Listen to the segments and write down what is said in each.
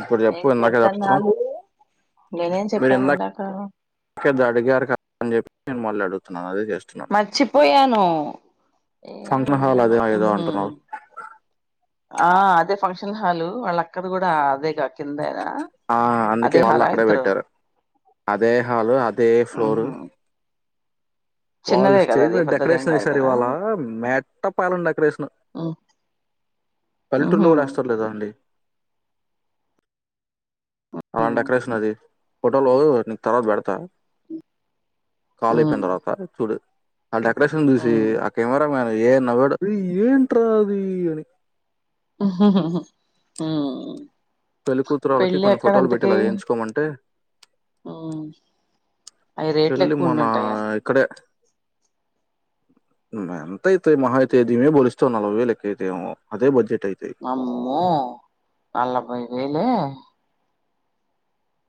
ఇప్పుడు ఏం చెప్పు ఇందాకేడగుతారు చేత్తన్నాలు నేనేం చెప్పాను మీరుందక ఇందాక అడిగారు కదా అని చెప్పి నేను మళ్లాడుతున్నాను అదే చేస్తను మరిచిపోయను ను సంతన హల్ అదే ఏదో అంటున్నారువు ఆ, అదే ఫంక్షన్ హాలు వాళ్ళ అక్కది కూడా అదేగా, కింద. ఆ, అందుకే మళ్ళ అక్కడే పెట్టారు. అదే హలు, అదే ఫ్లోరు. ఉహు వాళ్ళు చిన్నదే కదా స్టేజ్ అది మీద పెద్దదేం డెకరేషన్ కాదు కదా చేసారివాళ, మేట్ట పాలం డెకరేషన్. ఉ పల్లెటూరులో ఉహు కూడా ఏస్తార లేదా అండి? ఉ అలాంటి డెకరేషన్ అది, ఫోటోలూ నీకు తర్వాత పెడతా. కాల్ ఉ అయిపోయిన్తర్వాత, చూడు. ఆ డెకరేషన్ చూసి, ఆ కమెరా మాన్ అది ఏం నవ్వాడు? అరే ఏంట్రా అదీ అని? ఉమ్ పెళ్లి కూతురు వాళ్ళకి, కొన్ని ఫోటోలు పెట్టి ఇలా చేయించుకోమంటే? ఉ అవి రేట్లు పెళ్ళి ఎక్కువ మనా ఉండుంటాయి ఇక్కడే. హ్మ్, ఎంత అయితయి మహా అయితే, దీని మీద పోలిస్తే నలభై వేలు ఎకువైతయేమో. అదే బడ్జెట్ అయితాయి వామ్మో? నలభై వేలే?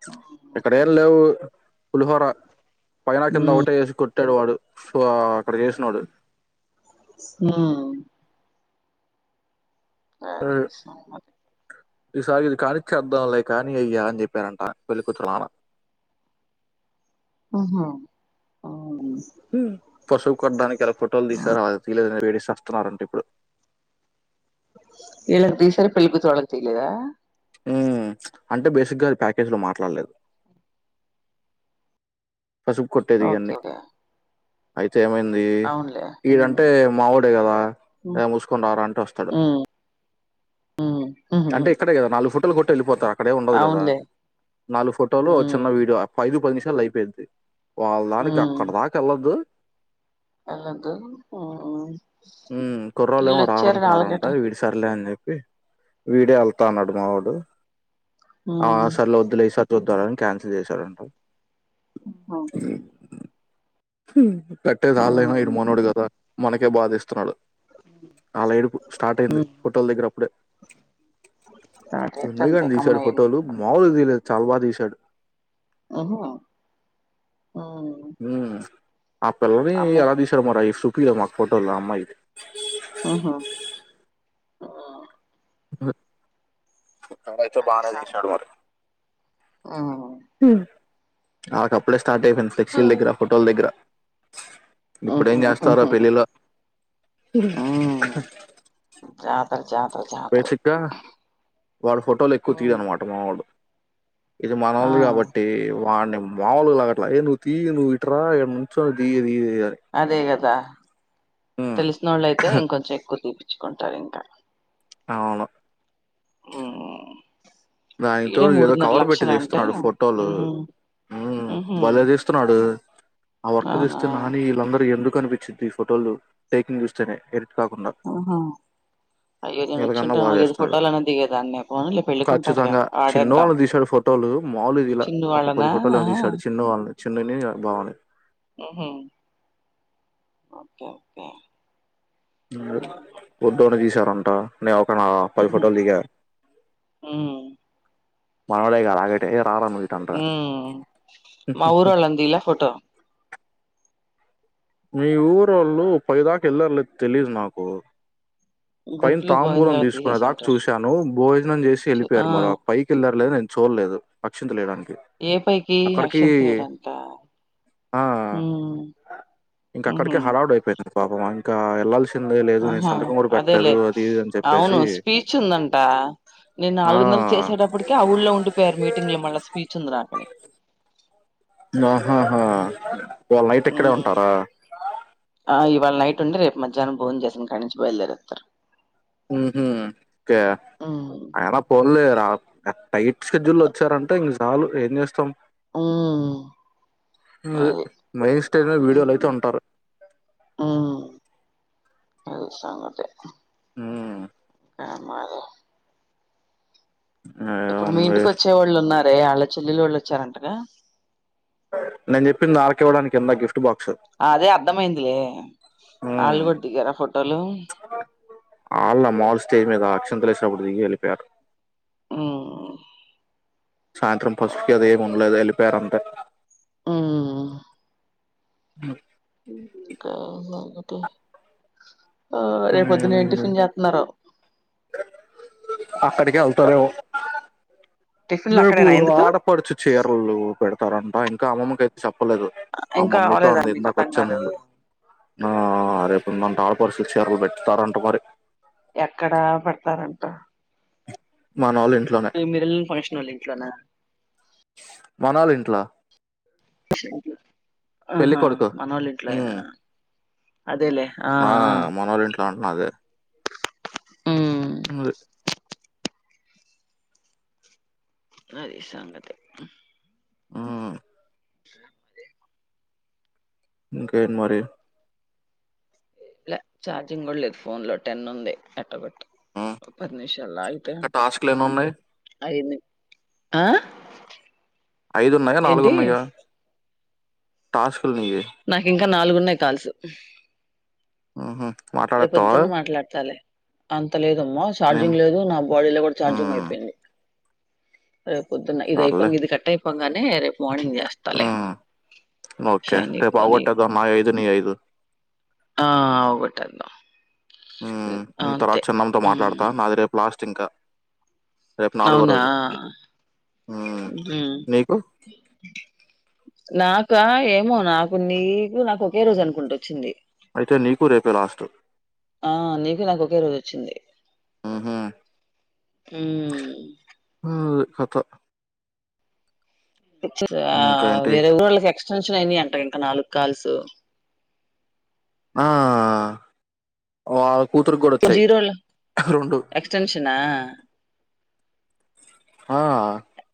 అ ఇక్కడ ఏం లేవు. పులిహోర పైనా, ఉ కింద ఒకటే ఏసి కొట్ పెట్టాడు వాడు సో, అక్కడ చేసినోడు. హ్మ్ ఆ ఆహ్, సం వాట్? ఈసారి ఇది కానీచ్చేద్దాంలే కానీ అయ్యా, అని చెప్పాడంటా పెళ్ళికూతురు మామ. ఉమ్ హూ, ఉ పసుపు కొడ్డానికి ఆడ ఫోటోల్ దీసారా, ఆయ్ తీయలేదని ఎడిస్ తెస్తున్నారంట ఇప్పుడు. ఈల్లక్ దిసారు, పెళ్ళికూతురు వాళక్ తీయలేదా? ఉమ్, అంటే బేసిక్గా అయి ప్యాకేజ్ లో మాట్లాడలేదు. పసుపు కొట్టేది, ఓకే ఇయన్నీ. ఓకే అయిత్ తేమైంది? అవునులే ఉమ్ ఈడంటే మావొడే కదా, ఏ మూసుకొని రార అంటే వస్తడు. ఉమ్ ఉహుహు అంటే ఇక్కడే గదా, నాలుగు ఫోటోల్ కొట్ టెళ్లిపోతాన్ అక్కడేం ఉండదు గదా? అవునులే నాల్గు ఫోటోలు ఒ చిన్న ఉమ్ వీడియో. ఆ పైది పద్ నిష్ కల్ల అయిపోయిద్ది. వావ్, దానికి అక్కడ దాకా ఎళ్ళద్దూ? ఎల్లద్దు ఊ ఉమ్, కుర్రోళ్ళేమో ఇల్లోచ్చారని ఆళకేట్ట హె వీడే ఎళ్తాన్నాడు మా వోడు ఆ ఉమ్ సర్లద్దులే ఇసర్ చూద్దారని క్యాన్సిల్ చేశాడంటా ఉమ్ [unintelligible] ఉహుం కట్టేదాళ్ళైన ఉమ్ ఇడుమనోడు గదా మనకే బాధేస్తున్నాడు ఆళ్ల ఏడుపు స్టార్ట్ అయింది ఉమ్. హోటల్ దగ్గర అప్పుడే థర్డ్ ఇయర్ ఉన్నయ్ అంతే గన్ కామన్ దీసాడు అయ్యింది ఫోటోలు మామూల్గా దీయలేదు. చాలు బాగా దీశాడు. ఓహో అవును ఉమ్, ఆ పిల్లది ఎలా తీశారు మరైసూ పిలవ్ మాక్ ఫోటోలు అమ్మాయిది. ఉహుం ఆ నువ్వే అయితే అది బానే సంగతి. తీశాడు మరి ఉమ్. ఆ తప్పులేస్ సార్ట్ అయిపోయింది ఫ్లెక్సీల్ దగ్గర ఫోటోల్ దగ్గర ఉహు గిప్పుడేం ఉహు, జేస్తవ్ రా ఉహు. పెళ్లిలో తర్ జా బేసిక్ గ్గా వల్ల ఫోటోలెక్కువ ఉమ్. తీయడున్నమాట మావోడు ఇది మనొల్ది ఆ కాబట్టి వాన్ని మాములులాగట్ల ఏ నువ్ తీయ నువ్ ఇట్రా ఇడ నుంచో దియ్ దియ్ అదే గద్ రా ఉమ్, తెలిసినోళ్ళ అయితే ఇంకొంచెం ఎక్కువ చూపిత్ కొంటరు ఇంకా అవును ఉమ్ దానితో ఏదో కవర్ పెట్టి తీస్తున్నాడు ఫోటోలు మ్మ్ హ్మ్ మ్హూ భలే తీస్తున్నాడు ఆ వర్క్ అవునా చేస్తే నాని వీళ్ళందరు ఎందుకు వర్త్ అనిపించింది ఈ ఫోటోలు టేకింగ్ చూస్తేనే కాకుండా ఆహ అయ్యో నేను వచ్చి వీళ్ళకన్నా ఉంటే బాగా నాలుగైదు చేస్తాడు ఫోటోలు అన్నా దిగేదాన్ని పోనీలే పెళ్లికుం ఖచ్చితంగా చిన్ను వాళ్ళని తీశాడు ఫోటోలు మాములుగా తీయలా చిన్ను ఒక వాళ్ళనా పది ఫోటోలు ఏమో ఆహా తీశాడు చిన్నువాళ్ళని చిన్నుని బావని మ్హూ ఓకే ఓకే ట నే నేనో పది మ్హూ ఫోటోలు దిగా మ్మ్ మామూలేగా [unintelligible] హ్మ్ మా ఊరోళ్ళని తియలా ఫోటో మీ ఊరోళ్ళు పైదాక వెళ్ళారో లేదో తెలీదు నాకు పైన గుంపులో తాంబూలం గోవిందలాగా తీసుకునే తీసేసి దాకా ఉంటారు చూశాను భోజనం చేసి చు ఆ వెళ్ళిపోయారు మరో పైకి వెళ్ళారో లేదో నేను చూడలేదు అక్షింతలు వేయడానికి ఏ పైకి అక్కడికి అక్షింతలు వేయడానికా ఆ హ్మ్ ఇంక ఊహూ అక్కడికే హడావుడి అయిపోయింది పాపం ఇంకా వెళ్ళాల్సి ందే లేదు న సంతం కూడాట్ట లే అవును స్పీచ్ ఉందంట నేను ఆ నాలుగున్నందలు చేసేటప్పటిక ఆ ఊళ్ళో ఉండిపోయారు మీటింగ్ లో మళ్ళా స్పీచ్ ఉంది రాకలి ఆహాహా వాళ నైట్ ఎక్కడే మ్మ్ ఉంటారా ఆ ఇవాళ నైట్ ఉండ రేపు మధ్యా్న భోజన్ చేసినని కాడి నుంచి బయలుదేరుస్తారు కే మ్మ్ అయనా పొర్లే టైట్ షెడ్యూల్ వచ్చారంటే ఇంక చాలు ఏం చేస్తాం మ్మ్ అది మైండ్ స్టైల్ లో వీడియోలు అయితే ఉంటారు అ స అంగట ఆ ఆమ ఇప్పుడు మీ ఏముంది ఇంటికి వచ్చే వాళ్ళు ఉన్నారు అదే వాళ్ళ చెల్లెలు వాళ్ళు వచ్చారంటగా నేను చెప్పింది అల్కి ఇవ్వడానికి ఎంత గిఫ్ట్ బాక్స్ అదే అర్ధమయిందిలే వాళ్ళు కూడా దిగారా ఫోటోలు దండలేసినప్పుడు దిగి ఎలిపొయారు ఆ సాయంత్రం పసుపికి అదే ఉండలేదు అంతే ఎలిపయారంతే ఆ ఇంకా ఏం సంగ త్త ఆ రేపోద్దున ఏ ఉమ్, టిఫిన్ చేత్తనారో మీ అక్కడికే ఇంట్లో వెళ్తారేమో టిఫిన్లు రేపు అక్కడేనా ఎందుకు ఆడపడుచు చీరలు పెడత్ చెస్తారంట ఇంకా అమ్మమ్మ కైతే చెప్ప చెప్పలేదు ఆ ఇంకా మమ్మీతో అవలేదా అంది మీకు ఇందాక వచ్చే అతంగాలు ముందు ఆ ఆ రేపు ఉందంట ఆడపడుచు చీరలు పెట్టుతారంట మరి ఎక్కడా పెడతారంట మనోళ్ళ ఇంట్లోనే [inaudible] మీరెళ్ళి ఫంక్షన్ వాళ్ళు ఇంట్లోనా మనోళ్ళ ఇంట్లో ఆహా కొడుకు మనోళ్ళ ఇంట్లో ఏనా ఉమ్, అదేలేే ఆ ఆ ప్యాంట్ నాదే ఉమ్ అది సంగతి ఆ [inaudible] ఇంక్ ఏంట్ మరి లే ఛార్జింగ్ కూడా లేదు ఫోన్ లో టెన్ ఉంది ఎట్టపేట్ ఉమ్, పది నిమిషాలు అయితే ఇంకా టాస్క్లు ఎన్ని ఉన్నాయి అయింది ఆ ఐదున్నాయా నాలుగు ఏంటి ఉన్నాయా టాస్క్ నీయి నాకు ఇంకా నాలుగున్నాయి కాల్సు ఆహా రేపుొద్దున్నె మాట్లాడతాలే అంత లేదు అమ్మా నేను ఛార్జింగ్ లేదు నా బాడీ లో కూడా ఛార్జింగ్ ఉమ్, అయిపోయింది రే పొద్దున్న ఇది సర్లే అయిపోంగా ఇది కట్టాయి పోంగనే రేపు మార్నింగ్ చేస్తా లే ఉమ్, ఓకే షైనీ రేపు తోని అవగొట్టేద్దాం నా ఐదు నీ ఐదు ఆ ఒటాలి హ ఉమ్మ్ తర్వాత చిన్నమ్మ తో మాట్లాడతా మ్ నాది రేపు లాస్ట్ ఇంకా రేపు నాలుగో అవునా రోజు ఉమ్ బి నీకు [inaudible] నాకా ఏమో నాకు నీకు నాకు ఒకే రోజు అనుకుంట అచ్చింది. అయితే నీకు రేపే లాస్ట్ ఆ నీకు నాకు ఒకే రోజు అచ్చింది. ఉహుం, ఉమ్మ్ అది కథ ఇచిర్రా ఇంకా ఆ ఏంటి వేరే ఊరు కి [unintelligible] సాంక్షన్ అయినయ్ ఇంక అంటా ఇంకా నాలుగు కాల్సు ఆ వాల్ జీరోలో ఎక్స్టెన్షనా ఆ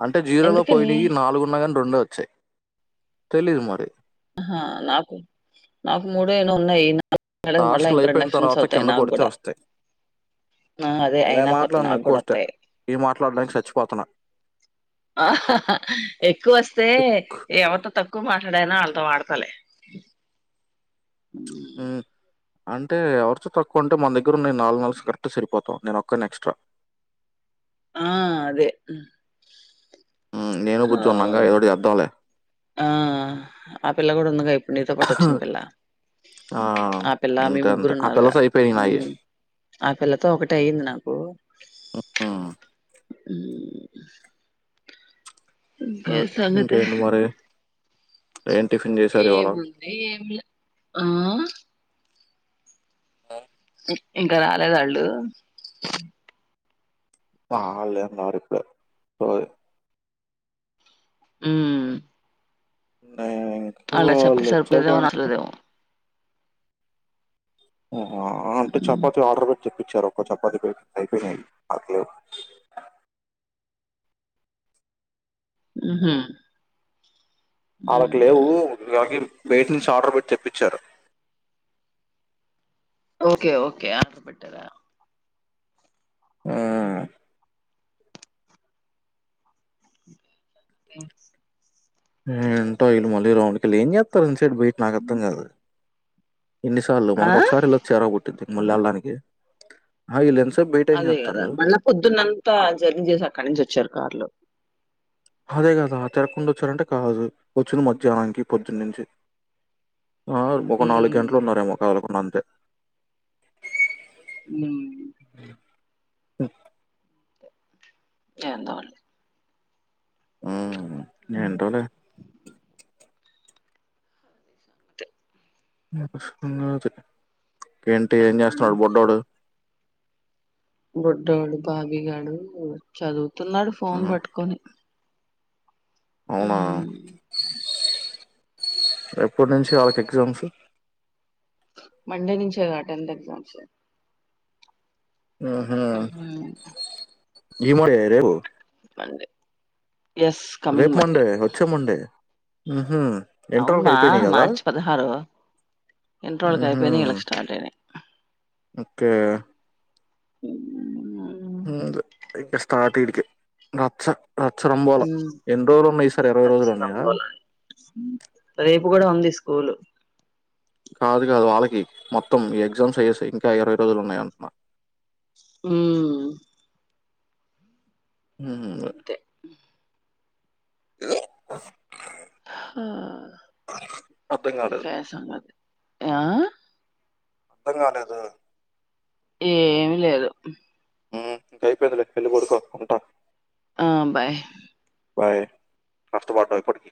అంటే జీరోలో ఎందుకని పోయినాయి నాలుగున్న గాని రొండే వచ్చాయ్ తెలీదు మరి ఆహా నాకు నాకు మూడే ఎన్నో ఉన్నాయి. నాలుగు మళ్ళా టాస్కులు ఇంకో రెండు అయిపోయిన ఎక్స్టెన్స్ తర్వాత అవుతాయి కింద నాకు కొడితే కూడా వస్తాయి. ఆ అదే నేను అయినా కొత్త మాట్లాడను నాకు ఎక్కువ కూడా వస్తే వత్తాయి ఈ మాట్లాడడానికి సచ్చిపోతున్నా ఆ హా హాఎక్కువ వస్తే ఇక్ ఏమైతది తక్ ఎక్కువ్ మాట్లాడనా అళ్లతో ఆడతలే ఉమ్ అంటే ఎవరితో తక్కువ అంటే మన దగ్గర ఉన్నాయి నాలుగు నాలుగు కరెక్ట్ సరిపోతామ్ నేను ఒక్కనే ఎక్స్ట్రా ఆ అదే ఉమ్ ఉమ్ నేను కూర్చున్నాంగా [unintelligible] ఏదోటి చేద్దాం లే ఆ ఆ పిల్ల కూడా ఉందిగా ఇప్పుడు నీతో పాటుచ్చింది పిల్ల ఆ పిల్ల మీ అంతే అంతే. ముగ్గురు ఆ ఉన్నారుగా పిల్లతో అయిపోయినయి నాయి. ఉమ్మ్ ఆ పిల్లతో ఒకటే అయింది నాకు హ్మ్. ఉమ్ ఇంకా సంగతే ఇంకేంటి మరి? ఏం టిఫిన్ చేశారు ఇవాళ? ఏముంది ఏం లే ఆ ఇంకా రాలేదాళ్ళు వాళ్లేం రారు ఇప్పుడే ఉమ్మ్ నేనింకా అలా చప్పతి వాళ్ళొచ్చాక సెప్పలేదమో అంటే రాలేదేమో [unintelligible] అంటే చపాతి ఆర్డర్ పెట్ పిచ్చ రక్క చపాతీపిండి పోనయి అకలే ఉహు ఆళ్ళకు లేవు [inaudible] బేటి నుంచి ఆర్డర్ పెట్టి తెప్పించారు ఓకే ఓకే అప్ పెట్టారా ఆ ఉమ్స్ టయిలు మళ రాౌండ్ కేలి ఏం చేత్తారు డ్ బయిట్ నకర్దంగాదు ఎన్నిసార్లు ఆ మనకు ఒకసారి ఇలా చేరక్ పుట్టింది మళ్ళ వెళ్డానికి అయిలెన్సై అదే కదా మళ్ళా పొద్దున్నంతా జర్నీ చేసి అక్కడి నుంచి వచ్చారు కార్లో అదేగాదా తెరగకుండా వచ్చారంటే కాదు వచ్చును మధ్యాహ్నానికి పొద్దున్న నుంచి ఒక నాలుగు గంటలు హ్మ్. ఉన్నారేమో అళ్ళకుండా అంత త ఉ స ఎందో వాళ్ళు ఆ న ఏంటోలే అంతే. [unintelligible] ఏంటి ఏం చేస్తున్నాడు బొడ్డోడు బుడ్డోడు బావిగాడు చదువు తున్నాడు ఫోన్ హ్మ్. పట్టుకొని అవునా హ్మ్. ఎప్పటి నుంచి వాళ్ళకి ఎక్జాంస్ మండే నుంచే అ టెన్త్ ఎగ్జామ్స్ ఆ ఇ మేడి రేబో మంది రేపు మండే వచ్చే మండే హు అవున్మా మార్చి పదహారు ఇంటర్లోకి ఊహు. అయిపోయినాయ్ ఇళ్ళకి స్టార్ట్ అయినాయ్ క [inaudible] ఇక స్టార్ట్కి నచ్చ ఉ ఇరవై రోజులు ఉన్నాయా రచ్చరంబొల రేపు కూడా వుంది ఫూలు కాదు కాదు వాళ్ళకి మొత్తం ఈ ఎగ్జామ్స్యెస్ అయ్యెకి ఇంకా ఇరవై రోజులున్నాయంటున్నా అ ఉ అంతే [unintelligible] ఓ అర్థం కాలేదు గాసమద్ ఆ అర్ధం కాలేదు ఏమి లేదు మ్మ్ ఇంకా అయిపోయిందిలే వెళ్ళి పడుకో ఉంటా ఆ బాయ్ బాయ్ కష్టపడ్డవు ఇప్పటికి